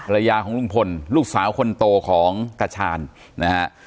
ยาของลุงพลลูกสาวคนโตของตาชาญนะฮะ